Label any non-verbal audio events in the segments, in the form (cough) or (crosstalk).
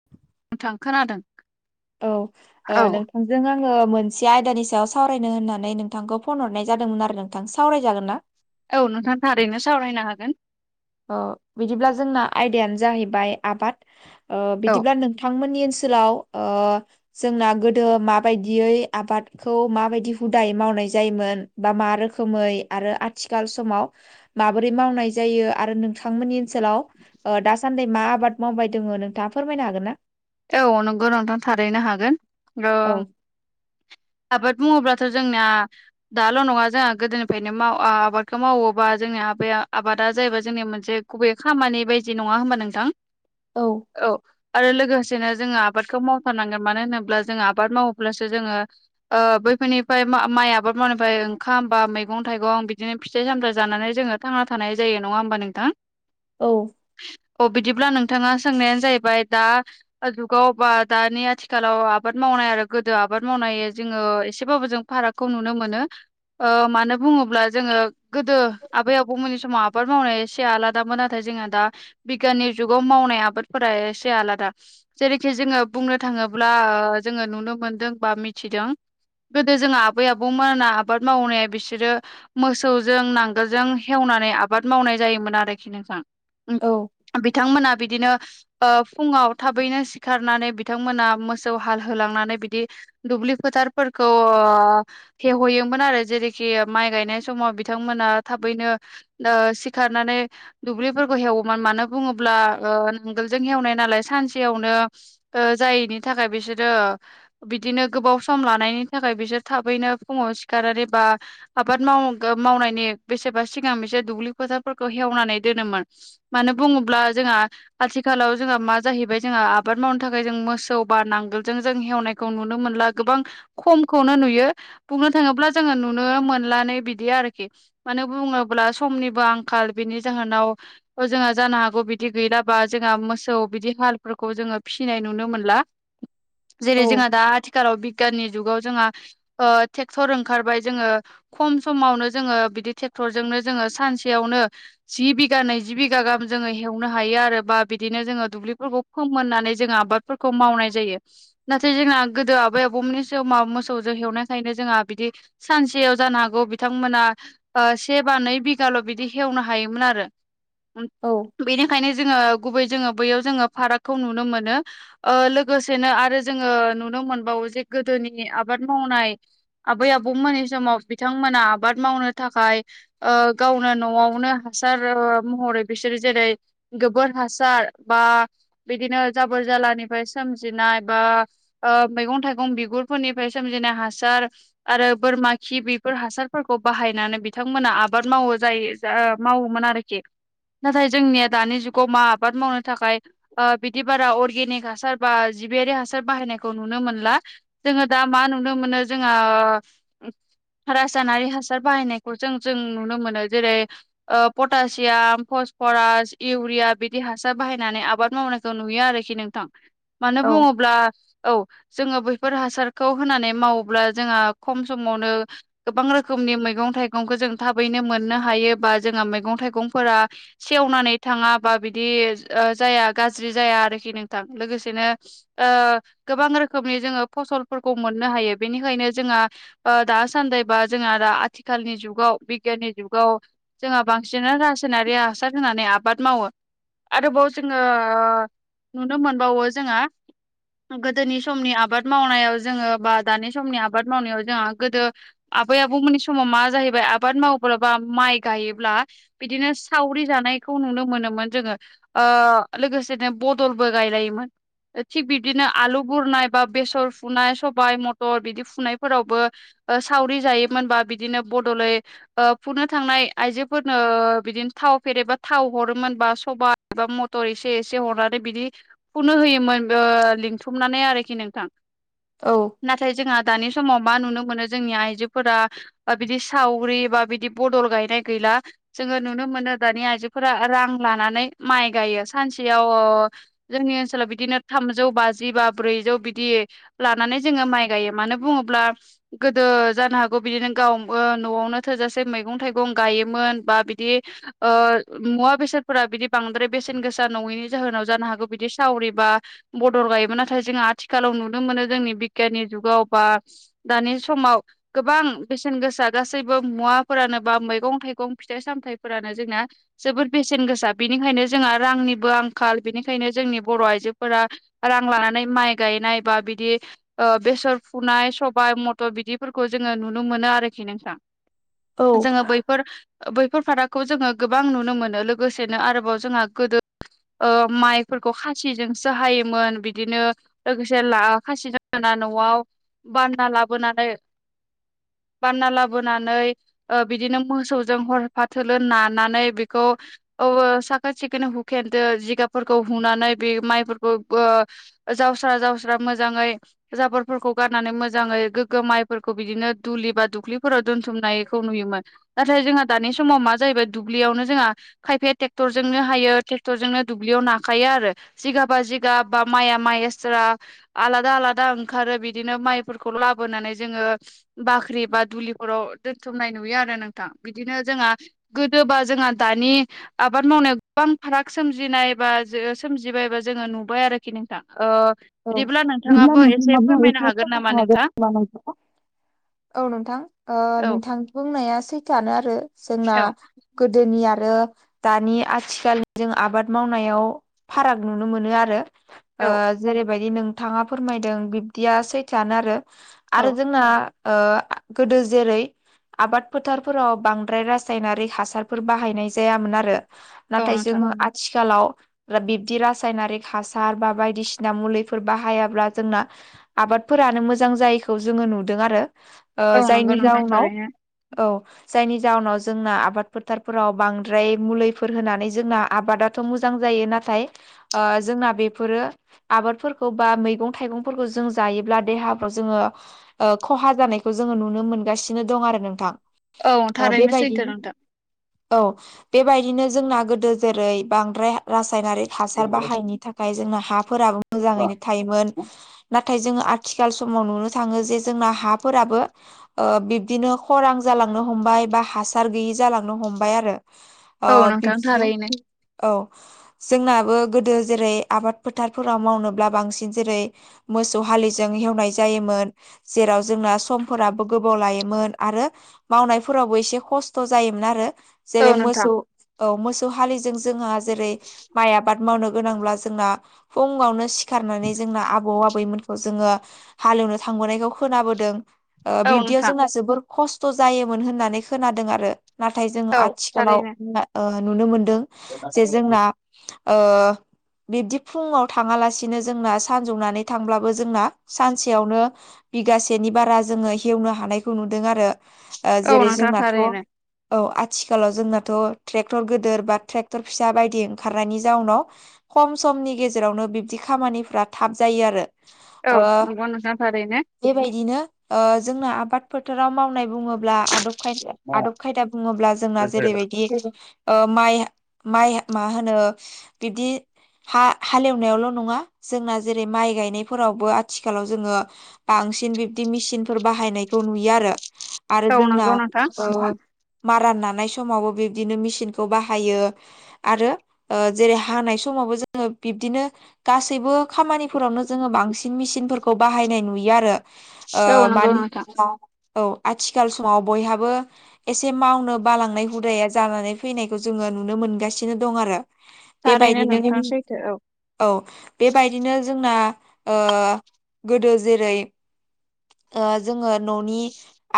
(inaudible) नोंथां खोनादों औ ओ औ नों थांजों आङो मोनसे आयदानि सायाव सावरायनो होननानै नोंथांखौ फन हरनाय जादोंमोन आरो नोंथां सावराय जागोनना? औ नोंथां थारैनो सावरायनो हागोन। अ बिदिब्ला जोंना आयदायानो जाहैबाय आबाद ओ औ बिदिब्ला नों थांमोननि ओनसोलाव ओ जोंना गोदो माबायदियै आबादखौ माबायदि हुदायै मावनाय जायोमोन। बा मा रोखोमै आरो आथिखाल समाव माबोरै मावनाय जायो आरो नोंथांमोननि ओनसोलाव ओ दा सान्दै मा आबाद मावबाय दोङो नोंथाङा फोरमायनो हागोनना? औ नंगौ नोंथां थारैनो हागोन ओ औ आबाद बुङोब्लाथ' जोंनिया दाल' नङा जोङा गोदोनिफ्रायनो माव आ आबादखौ मावो बा जोंनि आबाया आबादा जाहैबाय जोंनिया मोनसे गुबैयै खामानि बायदि नङा ओमबा नोंथां? औ औ आरो लोगोसेनो जोङो आबादखौ मावफानांगोन मानो होनोब्ला जोङो आबाद मावोब्लासो जोङो ओ बैफोरनिफ्राय माइ आबाद मावनायनिफ्राय ओंखाम बा मैगं थाइगं बिदिनो फिथाइ सामथाइ जानानै जोङो थांना थानाय जायो नङा ओमबा नोंथां? औ अ बिदिब्ला नोंथाङा सोंनायानो जाहैबाय दा जुगाव बा दानि आथिखालाव आबाद मावनाय आरो गोदो आबाद मावनाय जोङो एसेबाबो जों फाराग खौ नुनो मोनो। ओ मानो बुङोब्ला जोङो गोदो आबै आबौमोननि समाव आबाद मावनाया एसे आला दामोन नाथाय जोंहा दा बिगियाननि जुगाव मावनाय आबादफोरा एसे आलादा जेरैखि जोङो बुंनो थाङोब्ला ओ जोङो नुनो मोनदों बा मिथिदों गोदो जोङा आबै आबौमोना आबाद मावनाया बिसोरो मोसौजों नांगोलजों हेवनानै आबाद मावनाय जायोमोन आरोखि नोंथां। औ बिथांमोना बिदिनो ओ फुङाव थाबैनो सिखारनानै बिथांमोना मोसौ हाल होलांनानै बिदि दुब्लि फोथारफोरखौ हेवहैयोमोन आरो जेरैखि माइ गायनाय समाव बिथांमोना थाबैनो आ सिखारनानै दुब्लिफोरखौ हेवोमोन मानो बुङोब्ला ओ नांगोलजों हेवनाय नालाय सानसेआव नो ओ जायैनि थाखाय बिसोरो बिदिनो गोबाव सम लानायनि थाखाय बिसोर थाबैनो फुङाव सिखारनानै बा आबाद माव मावनायनि बेसेबा सिगां बिसोर दुब्लि फोथारफोरखौ हेवनानै दोनोमोन मानो बुङोब्ला जोंहा आथिखालाव जोंहा मा जाहैबाय जोंङो आबाद मावनो थाखाय जों मोसौ बा नांगोलजों जों हेवनायखौ नुनो मोनला गोबां खमखौनो नुयो बुंनो थाङोब्ला जोङो नुनो मोनलानो बिदि आरोखि मानो बुङोब्ला समनिबो आंखाल बेनि जाहोनाव जोंहा जानो हागौ बिदि गैलाबा जोंहा मोसौ बिदि हाल फोरखौ जोङो फिसिनाय नुनो मोनला जेरै औ जोंहा दा आथि खालाव बिगियाननि जुगाव जोंहा ओ ट्रेक्टर ओंखारबाय जोङो खम समावनो जोङो बिदि ट्रेक्टरजोंनो जोङो सानसेयावनो जि बिघा नैजि बिघा गाहाम जोङो हेवनो हायो आरो बा बिदिनो जोङो दुब्लिफोरखौ फोमोननानै जोङो आबादफोरखौ मावनाय जायो नाथाय जोंना गोदो आबै आबौमोननि सोमाव मोसौजों हेवनायखायनो जोंहा बिदि सानसेयाव जानो हागौ बिथांमोना ओ से बा नै बिघाल' बिदि हेवनो हायोमोन आरो औ बेनिखायनो जोङो गुबै जोङो बैयाव जोङो फारागखौ नुनो मोनो ओ लोगोसेनो आरो जोङो नुनो मोनबावो जे गोदोनि आबाद मावनाय आबै आबौमोननि समाव बिथांमोना आबाद मावनो थाखाय ओ गावनो न'आवनो हासार महरै बिसोरो जेरै गोबोर हासार बा बिदिनो जाबोर जालानिफ्राय सोमजिनाय बा ओ मैगं थाइगं बिगुरफोरनिफ्राय सोमजिनाय हासार आरो बोरमा खि बेफोर हासारफोरखौ बाहायनानै बिथांमोना आबाद मावो जायो मावोमोन आरोखि नाथाय जोंनिया दानि जुगाव मा आबाद मावनो थाखाय ओ बिदि बारा अर्गेनिक हासार बा जिबियारि हासार बाहायनायखौ नुनो मोनला जोङो दा मा नुनो मोनो जोङो रासायनारि हासार बाहायनायखौ जों जों नुनो मोनो जेरै ओ पटासियाम फसफरास इउरिया बिदि हासार बाहायनानै आबाद मावनायखौ नुयो आरोखि नोंथां मानो औ बुङोब्ला औ जोङो बैफोर हासारखौ होनानै मावोब्ला जोंहा खम समावनो गोबां रोखोमनि मैगं थाइगंखौ जों थाबैनो मोननो हायो बा जोंहा मैगं थाइगंफोरा सेवनानै थाङाबा बिदि जाया गाज्रि जाया आरोखि नोंथां लोगोसेनो गोबां रोखोमनि जोङो फसलफोरखौ मोननो हायो बेनिखायनो जोंहा ओ दासान्दैबा जोंहा दा आथिखालनि जुगाव बिगियाननि जुगाव जोंहा बांसिनानो रासायनारि हासार होनानै आबाद मावो आरोबाव जोंङो ओ नुनो मोनबावो जोङा गोदोनि समनि आबाद मावनायाव जोङो बा दानि समनि आबाद मावनायाव जोंहा गोदो आबै आबौमोननि समाव मा जाहैबाय आबाद मावब्ला बा माइ गायोब्ला बिदिनो सावरि जानायखौ नुनो मोनोमोन जोङो ओ लोगोसेनो बदलबो गायलायोमोन थिग बिबदिनो आलु बुरनाय बा बेसर फुनाय सबाइ मथर बिदि फुनायफोरावबो सावरि जायोमोन बा बिदिनो बदलै ओ फुनो थांनाय आइजोफोरनो बिदिनो थाव फेरेदबा थाव हरोमोन बा सबाइ एबा म थर एसे एसे हरनानै बिदि फुनो होयोमोन लिंथुमनानै आरोखि नोंथां औ नाथाय जोंहा दानि समाव मा नुनो मोनो जोंनि आइजोफोरा बिदि सावगरि बा बिदि बदल गायनाय गैला जोङो नुनो मोनो दानि आइजोफोरा रां लानानै माइ गायो सानसेयाव ओ जोंनि ओनसोलाव बिदिनो थामजौ बाजि बा ब्रैजौ बिदि लानानै जोङो माइ गायो मानो बुङोब्ला गोदो जानो हागौ बिदिनो गाव न'आवनो थोजासे मैगं थाइगं गायोमोन बा बिदि मुवा बेसादफोरा बिदि बांद्राय बेसेन गोसा नङिनि जाहोनाव जानो हागौ बिदि सावरिबा बदल गायोमोन नाथाय जोङा आथिखालाव नुनो मोनो जोंनि बिगियाननि जुगाव बा दानि समाव गोबां बेसेन गोसा गासैबो मुवाफोरानो बा मैगं थाइगं फिथाइ सामथाइफोरानो जोंना जोबोर बेसेन गोसा बेनिखायनो जोंहा रांनि बो आंखाल बेनिखायनो जोंनि बर' आइजोफोरा रां लानानै माइ गायनाय बा बिदि बेसर फुनाय सबाय मथर बिदिफोरखौ जोङो नुनो मोनो आरोखि नोंथां औ जोङो बै फोर बैफोर फारागखौ जोङो गोबां नुनो मोनो लोगोसेनो आरोबाव जोंहा गोदो ओ माइफोरखौ खासिजोंसो हायोमोन बिदिनो लोगोसे ला खासि जों हाना न'आव बानना लाबोनानै बानना लाबोनानै बिदिनो मोसौजों हरफाथोलो नानानै बेखौ साखोन सिखोन फेरदो जिगाबफोरखौ हुनानै बे माइफोरखौ ओ जावस्रा जावस्रा मोजाङै जाबोरफोरखौ गारनानै मोजाङै गोग्गो माइफोरखौ बिदिनो दुलि बा दुख्लिफोराव दोनथुमनायखौ नुयोमोन नाथाय जोंहा दानि समाव मा जाहैबाय दुब्लियावनो जोंहा खायफाया ट्रेक्टरजोंनो हायो क्टर जोंनो दुब्लियाव नाखायो आरो जिगाबा जिगाब बा माइया माइ एस्रा आलादा आलादा ओंखारो बिदिनो माइफोरखौ लाबोनानै जोङो बाख्रि बा दुलिफोराव दोनथुमनाय नुयो आरो नोंथां बिदिनो जोंहा गोदोबा जोंहा दानि आबाद मावनायाव गोबां फाराग सोमजिनाय बा जो सोमजिबाय बा जोङो नुबाय आरोखि नोंथां औ बिदिब्ला बिदिब्ला नोंथाङाबो एसे नोंथाङा फोरमायनो हागोन नामा नोंथां (unintelligible) औ नोंथां औ नोंथां बुंनाया सैथोआनो आरो जोंना औ गोदोनि आरो दानि आथिखालनि जों आबाद मावनायाव फाराग नुनो मोनो आरो जेरैबायदि नोंथाङा फोरमायदों बिब्दिया सैथोआनो आरो औ आरो जोंना गोदो जेरै आबाद फोथारफोराव बांद्राय रासायनारि हासारफोर बाहायनाय जायामोन आरो औ नाथाय नोंथां जोङो आथिखालाव बिबदि रासायनारिक हासार बा बायदिसिना दा मुलिफोर बाहायाब्ला जोंना आबादफोरानो मोजां जायैखौ जोङो नुदों आरो औ नंगौ जायनि नोंथां जाउनाव थारैनो औ जायनि जाहोनाव जोंना आबाद फोथारफोराव बांद्राय मुलिफोर होनानै जोंना आबादा थ' मोजां जायो नाथाय जोंना बेफोरो आबादफोरखौ बा मैगं थाइगंफोरखौ जों जायोब्ला देहाफ्राव जोङो खहा जानायखौ जोङो नुनो मोनगासिनो दं आरो औ नोंथां थारैनो सैथो बेबायदिनो नोंथां औ बेबायदिनो जोंना गोदो जेरै बांद्राय रासायनारिक हासार बाहायिनि थाखाय जोंना हाफोराबो मोजाङैनो थायोमोन नाथाय जोङो आथिखाल समाव नुनो थाङो जे जोंना हाफोराबो बिब्दिनो खरां जालांनो हमबाय बा हासार गैयि जालांनो हमबाय आरो औ नोंथां थारैनो बिबदिनो औ जोंनाबो गोदो जेरै आबाद फोथारफोर राव मावनोब्ला बांसिन जेरै मोसौ हालिजों एवनाय जायोमोन जेराव जोंना समफोराबो गोबाव लायोमोन आरो मावनायफोरावबो एसे खस्थ' जायोमोन आरो। औ जेरै नोंथां मोसौ औ मोसौ हालिजों जोंहा जेरै माइ आबाद। बाद मावनो गोनांब्ला जोंना फुङावनो सिखारनानै जोंना आबौ आबैमोना खौ जोङो हालेवनो थांबोनायखौ खोनाबोदों औ बिब्दियाव नोंथां जोंना जोबोर खस्थ' जायोमोन होननानै खोनादों आरो। नाथाय जोंङो औ आथिखालाव थारैनो ओ नुनो मोनदों जे जोंना बिब्दि फुङाव थाङालासिनो जोंना सानजौनानै थांब्लाबो जोंना सानसेयावनो बिगासेनि बारा जोङो हेवनो हानायखौ नुदों आरो। औ जेरै नोंथां जोंनाथ' औ थारैनो आथिखालाव जोंनाथ' ट्रेक्टर गोदोर बा ट्रेक्टर फिसा बायदि ओंखारनायनि जाउनाव खम समनि गेजेरावनो बिब्दि खामानिफ्रा थाब जायो आरो। औ ओ नंगौ नोंथां थारैनो। बेबायदिनो जोंना आबाद फोथाराव मावनाय बुङोब्ला ब्ला आदब खायदा आदब खायदा बुङोब्ला जोंना जेरैबायदि ओ माइ माइ मा होनो बिब्दि हा हाले एवनायावल' नङा जोंना जेरै माइ गायनायफोरावबो आथिखालाव जोङो बांसिन बिब्दि मेचिनफोर बाहायनायखौ नुयो आरो। आरो औ जोंना नंगौ नोंथां ओ मारा नानाय समावबो बिब्दिनो मेसिनखौ बाहायो। आरो जेरै हानाय समावबो जोङो बिब्दिनो गासैबो खामानिफोरावनो जोङो बांसिन मेसिनफोरखौ बाहायनाय नुयो आरो। ओ औ नंगौ मानो नोंथां होनोब्ला औ आथिखाल समाव बयहाबो एसे मावनो बालांनाय हुदाया जानानै फैनायखौ जोङो नुनो मोनगासिनो दं आरो। थारैनो बेबायदिनो नोंथां सैथो औ औ बेबायदिनो जोंना गोदो जेरै जोङो न'नि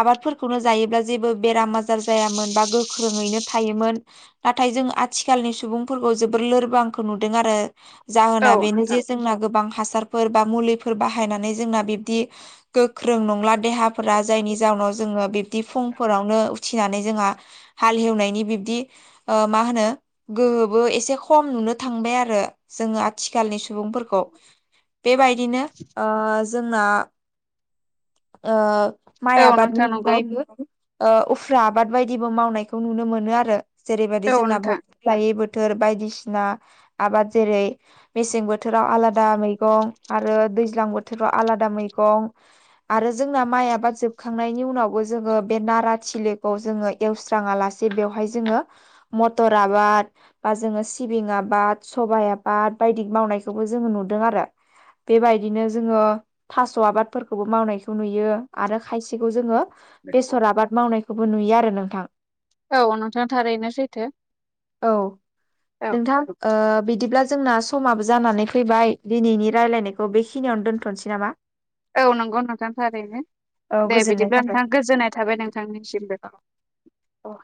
आबादफोरखौनो जायोब्ला जेबो बेराम आजार जायामोन बा गोख्रोङैनो थायोमोन नाथाय जों आथिखालनि सुबुंफोरखौ जोबोर लोरबांखौ नुदों आरो। औ जाहोना बेनो नोंथां जे जोंना गोबां हासारफोर बा मुलिफोर बाहायनानै जोंना बिब्दि गोख्रों नंला देहाफोरा जायनि जाउनाव जोङो बिब्दि फुंफोरावनो उथिनानै जोंहा हाल हेवनायनि बिब्दि अ मा होनो गोहोबो एसे खम नुनो थांबाय आरो। जोङो आथिखालनि सुबुंफोरखौ बेबायदिनो ओ जों जोंना ओ माइ औ आबादनि नोंथां नंगौ अनगायैबो ओ उफ्रा आबाद बायदिबो मावनायखौ नुनो मोनो आरो जेरैबायदि औ जोंनाबो नोंथां लायै बोथोर बायदिसिना आबाद जेरै मेसें बोथोराव आलादा मैगं आरो दैज्लां बोथोराव आलादा मैगं आरो जोंना माइ आबाद जोबखांनायनि उनावबो जोङो बे नारा थिलिखौ जोङो एवस्राङा लासे बेवहाय जोङो मटर आबाद बा जोङो सिबिं आबाद सबाइ आबाद बायदि मावनायखौबो जोङो नुदों आरो। बेबायदिनो जोङो थास' आबादफोरखौबो मावनायखौ नुयो आरो खायसेखौ जोङो बेसर आबाद मावनायखौबो नुयो आरो नोंथां औ नोंथां थारैनो सैथो औ औ नोंथा ओ बिदिब्ला जोंना समाबो जानानै फैबाय दिनैनि रायलायनायखौ बेखिनियावनो दोनथ'नोसै नामा (inaudible) औ नंगौ नोंथां थारैनो औ दे गोजोननाय बिदिब्ला नोंथां थाबाय गोजोननाय थाबाय नों थांनिसिमबो अ